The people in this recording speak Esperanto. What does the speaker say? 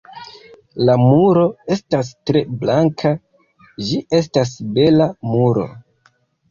La muro estas tre blanka, ĝi estas bela muro.